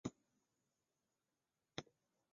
分布于南盘江及其所属水体等。